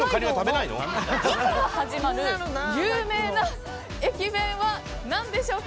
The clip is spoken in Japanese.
「い」から始まる有名な駅弁は何でしょうか。